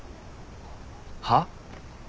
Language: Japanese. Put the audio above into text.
はっ？